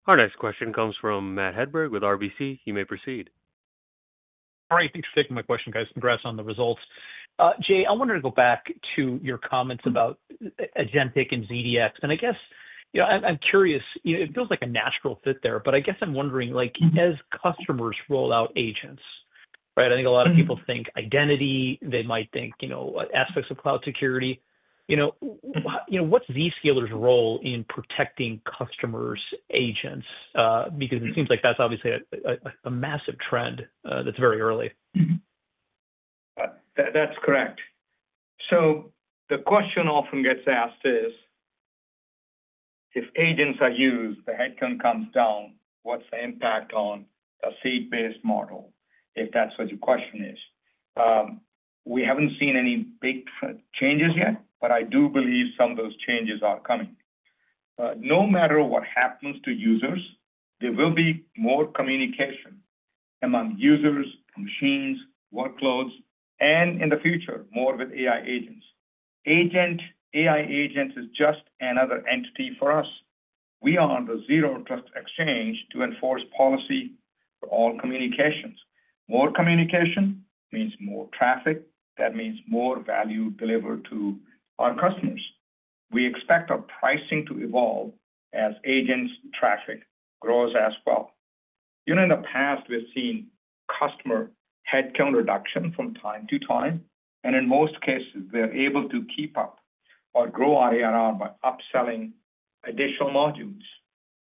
S1: Our next question comes from Matt Hedberg with RBC. You may proceed.
S14: All right. Thanks for taking my question, guys. Congrats on the results. Jay, I wanted to go back to your comments about agentic and ZDX. And I guess I'm curious. It feels like a natural fit there, but I guess I'm wondering, as customers roll out agents, right? I think a lot of people think identity. They might think aspects of cloud security. What's Zscaler's role in protecting customers' agents? Because it seems like that's obviously a massive trend that's very early.
S3: That's correct. So the question often gets asked is, if agents are used, the headcount comes down, what's the impact on the SaaS-based model? If that's what your question is. We haven't seen any big changes yet, but I do believe some of those changes are coming. No matter what happens to users, there will be more communication among users, machines, workloads, and in the future, more with AI agents. Agentic AI agents is just another entity for us. We are on the Zero Trust Exchange to enforce policy for all communications. More communication means more traffic. That means more value delivered to our customers. We expect our pricing to evolve as agents' traffic grows as well. In the past, we've seen customer headcount reduction from time to time, and in most cases, they're able to keep up or grow ARR by upselling additional modules.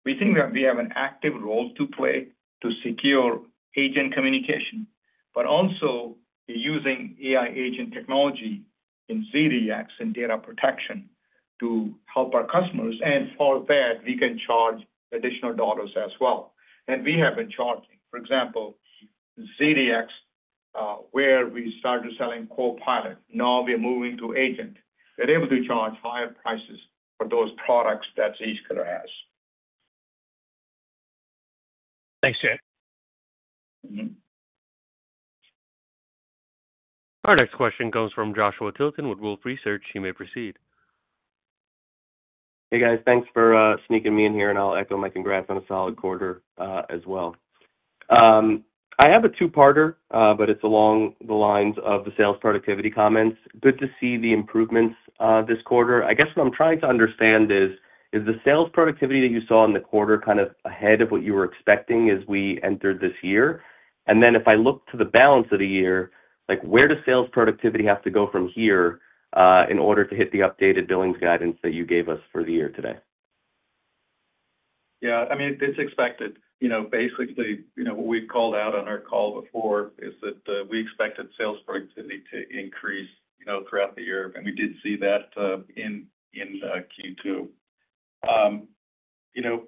S3: We think that we have an active role to play to secur e agent communication, but also using AI agent technology in ZDX and data protection to help our customers, and for that, we can charge additional dollars as well, and we have been charging, for example, ZDX, where we started selling Copilot. Now we're moving to agent. They're able to charge higher prices for those products that Zscaler has.
S14: Thanks, Jay.
S1: Our next question comes from Joshua Tilton with Wolfe Research. You may proceed.
S15: Hey, guys. Thanks for sneaking me in here, and I'll echo my congrats on a solid quarter as well. I have a two-parter, but it's along the lines of the sales productivity comments. Good to see the improvements this quarter. I guess what I'm trying to understand is, is the sales productivity that you saw in the quarter kind of ahead of what you were expecting as we entered this year, and then if I look to the balance of the year, where does sales productivity have to go from here in order to hit the updated billings guidance that you gave us for the year today?
S4: Yeah. I mean, it's expected. Basically, what we called out on our call before is that we expected sales productivity to increase throughout the year. And we did see that in Q2.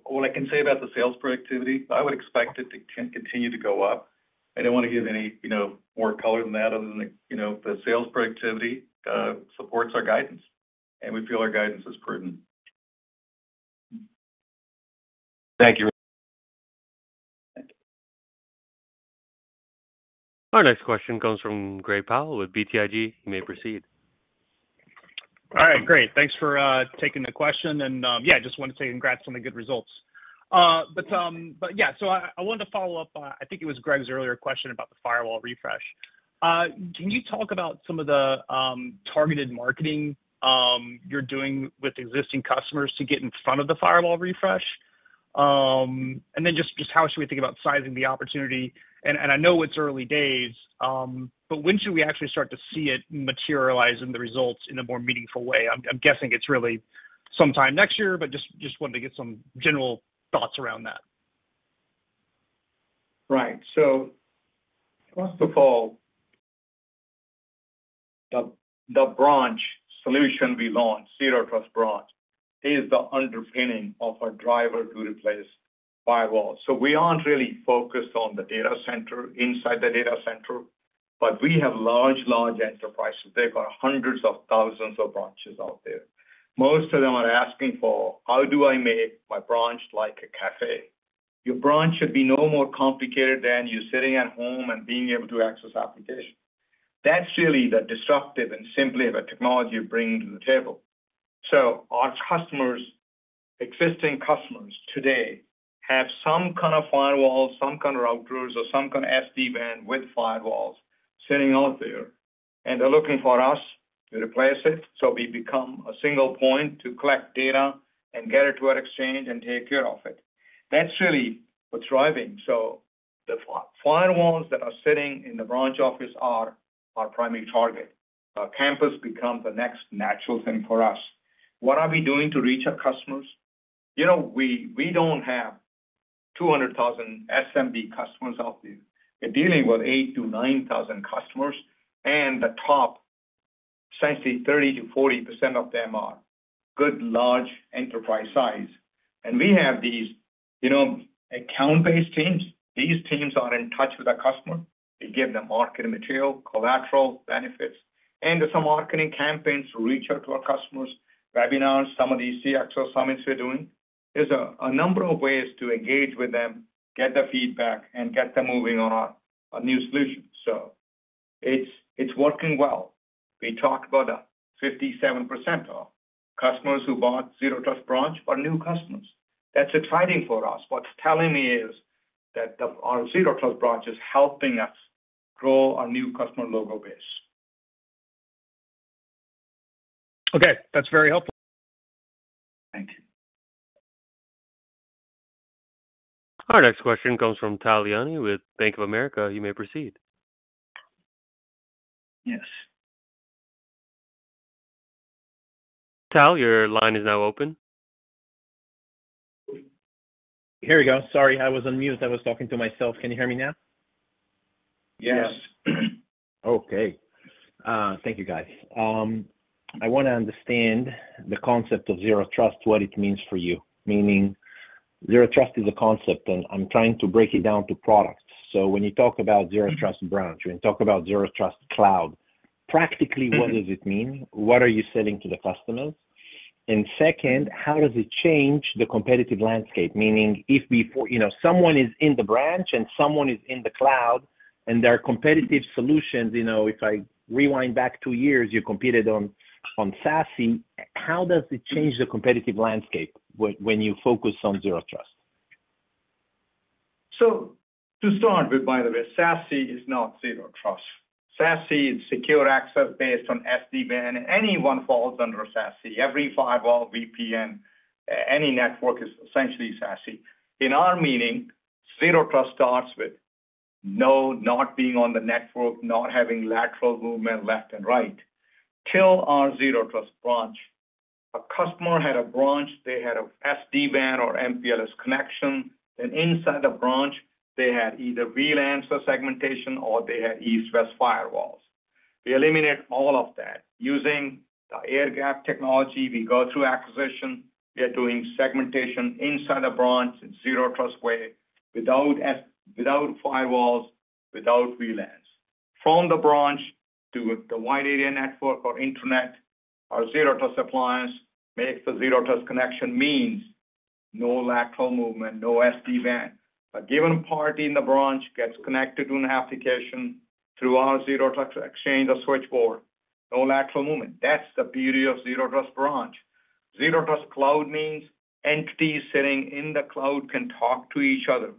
S4: What I can say about the sales productivity, I would expect it to continue to go up. I don't want to give any more color than that other than the sales productivity supports our guidance. And we feel our guidance is prudent.
S15: Thank you.
S1: Our next question comes from Gray Powell with BTIG. You may proceed.
S16: All right. Great. Thanks for taking the question. And yeah, I just wanted to say congrats on the good results. But yeah, so I wanted to follow up. I think it was Gregg's earlier question about the firewall refresh. Can you talk about some of the targeted marketing you're doing with existing customers to get in front of the firewall refresh? And then just how should we think about sizing the opportunity? And I know it's early days, but when should we actually start to see it materialize in the results in a more meaningful way? I'm guessing it's really sometime next year, but just wanted to get some general thoughts around that.
S3: Right. So first of all, the branch solution we launched, Zero Trust Branch, is the underpinning of our driver to replace firewall. So we aren't really focused on the data center inside the data center, but we have large, large enterprises. They've got hundreds of thousands of branches out there. Most of them are asking for, "How do I make my branch like a café?" Your branch should be no more complicated than you sitting at home and being able to access applications. That's really the disruptive and simply the technology you bring to the table. Our customers, existing customers today, have some kind of firewall, some kind of routers, or some kind of SD-WAN with firewalls sitting out there. They are looking for us to replace it so we become a single point to collect data and get it to our Exchange and take care of it. That is really what is driving. The firewalls that are sitting in the branch office are our primary target. Our campus becomes the next natural thing for us. What are we doing to reach our customers? We do not have 200,000 SMB customers out there. We are dealing with 8,000 to 9,000 customers. The top, essentially 30% to 40% of them are good large enterprise size. We have these account-based teams. These teams are in touch with our customer. They give them marketing material, collateral benefits, and some marketing campaigns to reach out to our customers, webinars, some of these CXO summits we're doing. There's a number of ways to engage with them, get their feedback, and get them moving on our new solution. So it's working well. We talked about 57% of customers who bought Zero Trust Branch are new customers. That's exciting for us. What's telling me is that our Zero Trust Branch is helping us grow our new customer logo base.
S16: Okay. That's very helpful. Thank you.
S1: Our next question comes from Tal Liani with Bank of America. You may proceed. Yes. Tal, your line is now open.
S17: Here we go. Sorry, I was on mute. I was talking to myself. Can you hear me now? Yes. Okay. Thank you, guys. I want to understand the concept of Zero Trust, what it means for you. Meaning, Zero Trust is a concept, and I'm trying to break it down to products. So when you talk about Zero Trust Branch, when you talk about Zero Trust Cloud, practically, what does it mean? What are you selling to the customers? And second, how does it change the competitive landscape? Meaning, if someone is in the branch and someone is in the cloud, and there are competitive solutions, if I rewind back two years, you competed on SASE. How does it change the competitive landscape when you focus on Zero Trust?
S3: So to start with, by the way, SASE is not Zero Trust. SASE is secure access based on SD-WAN. Anyone falls under SASE. Every firewall, VPN, any network is essentially SASE. In our meeting, Zero Trust starts with not being on the network, not having lateral movement left and right. Until our Zero Trust Branch, a customer had a branch. They had an SD-WAN or MPLS connection, and inside the branch, they had either VLANs for segmentation or they had East-West firewalls. We eliminate all of that using the Airgap technology. We go through acquisition. We are doing segmentation inside the branch in Zero Trust way without firewalls, without VLANs. From the branch to the wide area network or internet, our Zero Trust appliance makes the Zero Trust connection, means no lateral movement, no SD-WAN. A given party in the branch gets connected to an application through our Zero Trust Exchange or switchboard. No lateral movement. That's the beauty of Zero Trust Branch. Zero Trust Cloud means entities sitting in the cloud can talk to each other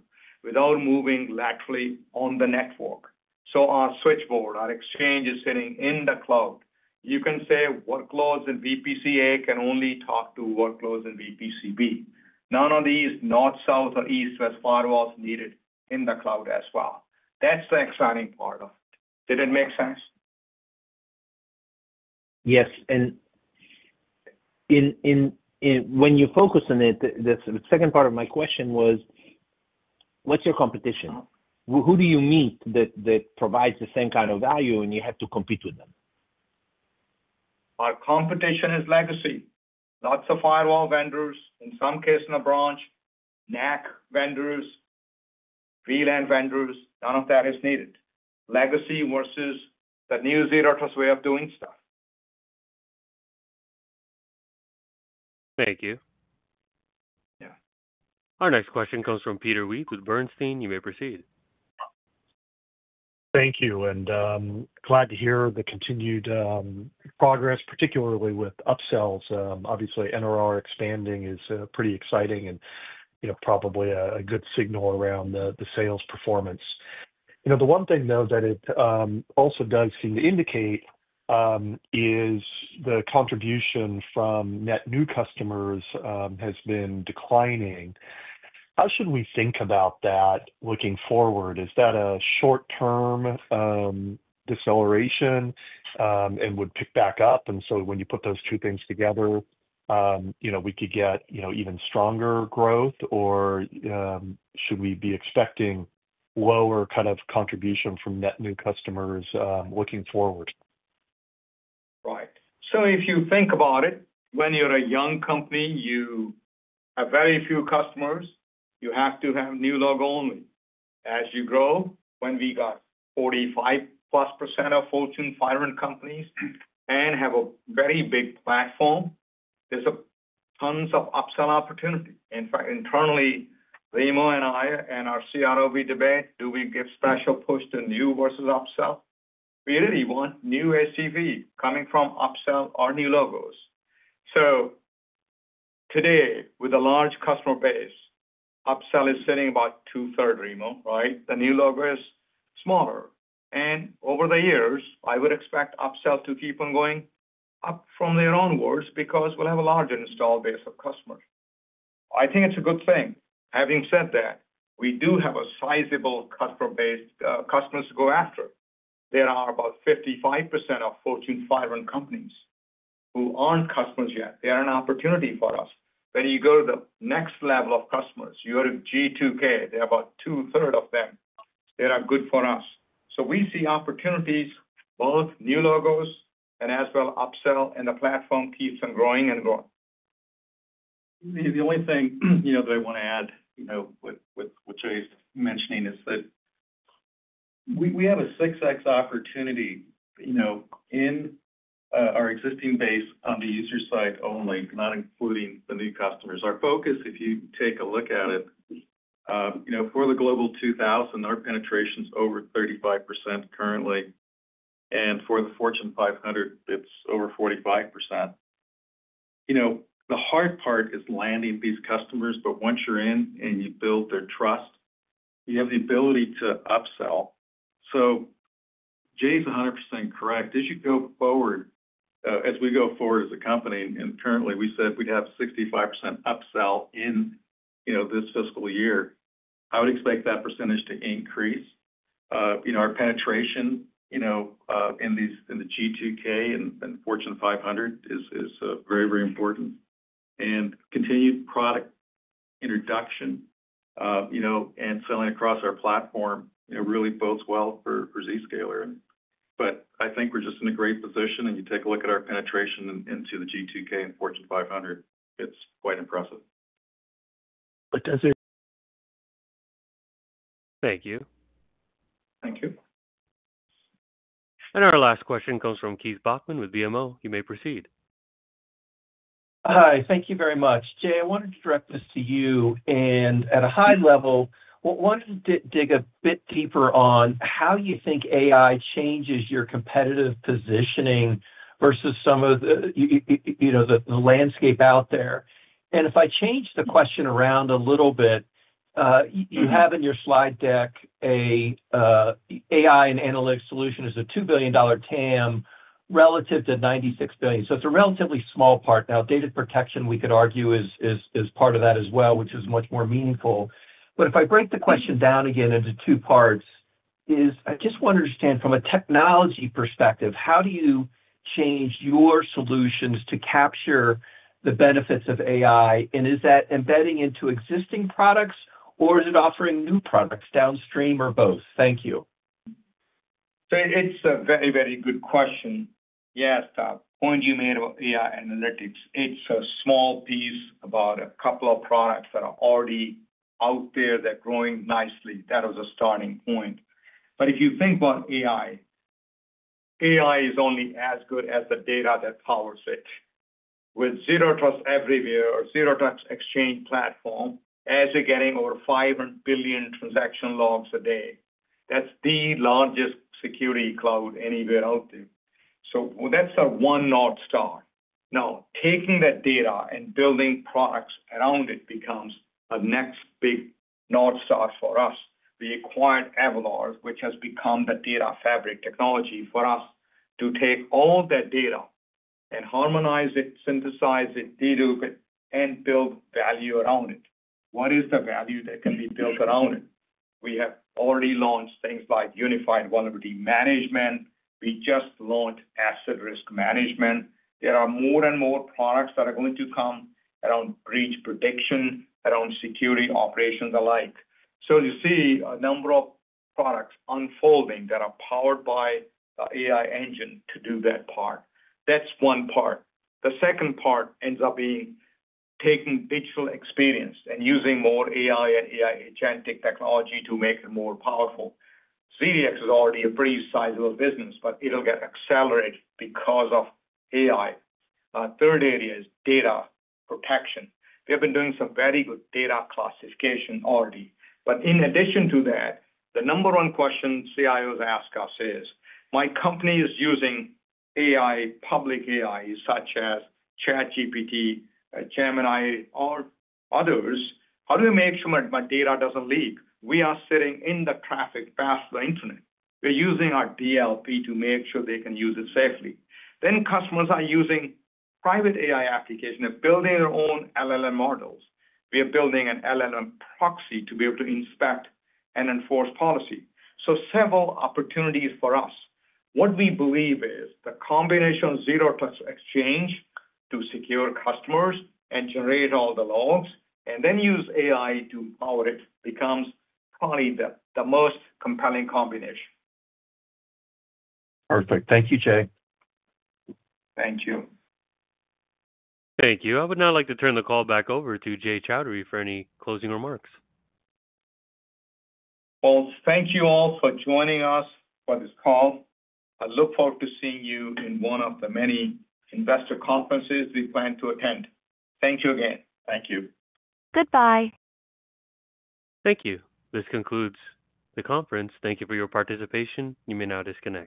S3: without moving laterally on the network, so our switchboard, our Exchange is sitting in the cloud. You can say workloads and VPC A can only talk to workloads and VPC B. None of these North-South or East-West firewalls needed in the cloud as well. That's the exciting part of it. Did it make sense? Yes. And when you focus on it, the second part of my question was, what's your competition? Who do you meet that provides the same kind of value, and you have to compete with them? Our competition is legacy. Lots of firewall vendors, in some cases in a branch, NAC vendors, VLAN vendors. None of that is needed. Legacy versus the new Zero Trust way of doing stuff.
S1: Thank you. Our next question comes from Peter Weed with Bernstein. You may proceed.
S18: Thank you. And glad to hear the continued progress, particularly with upsells. Obviously, NRR expanding is pretty exciting and probably a good signal around the sales performance. The one thing, though, that it also does seem to indicate is the contribution from net new customers has been declining. How should we think about that looking forward? Is that a short-term deceleration and would pick back up? And so when you put those two things together, we could get even stronger growth, or should we be expecting lower kind of contribution from net new customers looking forward?
S3: Right. So if you think about it, when you're a young company, you have very few customers. You have to have new logo only. As you grow, when we got 45 plus percent of Fortune 500 companies and have a very big platform, there's tons of upsell opportunity. In fact, internally, Remo and I and our CRO, we debate, do we give special push to new versus upsell? We really want new ACV coming from upsell or new logos. So today, with a large customer base, upsell is sitting about two-thirds, Remo, right? The new logo is smaller. And over the years, I would expect upsell to keep on going up from there onwards because we'll have a larger install base of customers. I think it's a good thing. Having said that, we do have a sizable customer base customers to go after. There are about 55% of Fortune 500 companies who aren't customers yet. They are an opportunity for us. When you go to the next level of customers, you go to G2K, there are about two-thirds of them. They are good for us. So we see opportunities, both new logos and as well upsell, and the platform keeps on growing and growing.
S4: The only thing that I want to add, which I was mentioning, is that we have a 6X opportunity in our existing base on the user side only, not including the new customers. Our focus, if you take a look at it, for the Global 2000, our penetration is over 35% currently, and for the Fortune 500, it's over 45%. The hard part is landing these customers, but once you're in and you build their trust, you have the ability to upsell. So Jay is 100% correct. As you go forward, as we go forward as a company, and currently, we said we'd have 65% upsell in this fiscal year, I would expect that percentage to increase. Our penetration in the G2K and Fortune 500 is very, very important, and continued product introduction and selling across our platform really bodes well for Zscaler. But I think we're just in a great position. And you take a look at our penetration into the G2K and Fortune 500, it's quite impressive.
S18: Thank you.
S1: Thank you. And our last question comes from Keith Bachman with BMO. You may proceed.
S19: Hi. Thank you very much. Jay, I wanted to direct this to you. And at a high level, I wanted to dig a bit deeper on how you think AI changes your competitive positioning versus some of the landscape out there. And if I change the question around a little bit, you have in your slide deck an AI and analytics solution as a $2 billion TAM relative to $96 billion. So it's a relatively small part. Now, data protection, we could argue is part of that as well, which is much more meaningful. But if I break the question down again into two parts, I just want to understand from a technology perspective, how do you change your solutions to capture the benefits of AI? And is that embedding into existing products, or is it offering new products downstream or both? Thank you.
S3: So it's a very, very good question. Yes, the point you made about AI analytics, it's a small piece about a couple of products that are already out there that are growing nicely. That was a starting point. But if you think about AI, AI is only as good as the data that powers it. With Zero Trust Everywhere, Zero Trust Exchange platform, as you're getting over 500 billion transaction logs a day, that's the largest security cloud anywhere out there. So that's our one North Star. Now, taking that data and building products around it becomes a next big North Star for us. We acquired Avalor, which has become the data fabric technology for us to take all that data and harmonize it, synthesize it, dedupe it, and build value around it. What is the value that can be built around it? We have already launched things like Unified Vulnerability Management. We just launched Asset Risk Management. There are more and more products that are going to come around breach prediction, around security operations alike. So you see a number of products unfolding that are powered by the AI engine to do that part. That's one part. The second part ends up being taking digital experience and using more AI and agentic AI technology to make it more powerful. ZDX is already a pretty sizable business, but it'll get accelerated because of AI. Third area is data protection. We have been doing some very good data classification already. But in addition to that, the number one question CIOs ask us is, "My company is using AI, public AI, such as ChatGPT, Gemini, or others. How do we make sure my data doesn't leak?" We are sitting in the traffic path of the internet. We're using our DLP to make sure they can use it safely. Then customers are using private AI applications and building their own LLM models. We are building an LLM proxy to be able to inspect and enforce policy. So several opportunities for us. What we believe is the combination of Zero Trust Exchange to secure customers and generate all the logs and then use AI to power it becomes probably the most compelling combination.
S16: Perfect. Thank you, Jay.
S3: Thank you.
S1: Thank you. I would now like to turn the call back over to Jay Chaudhry for any closing remarks.
S3: Well, thank you all for joining us for this call. I look forward to seeing you in one of the many investor conferences we plan to attend. Thank you again. Thank you.
S20: Goodbye.
S1: Thank you. This concludes the conference. Thank you for your participation. You may now disconnect.